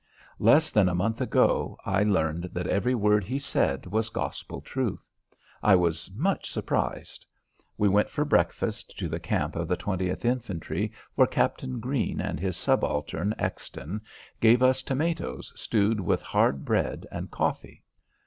Less than a month ago, I learned that every word he said was gospel truth. I was much surprised. We went for breakfast to the camp of the 20th Infantry, where Captain Greene and his subaltern, Exton, gave us tomatoes stewed with hard bread and coffee.